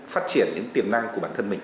phát triển những tiềm năng của bản thân mình